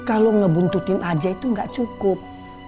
kalau ngebuntutin aja itu gak cukup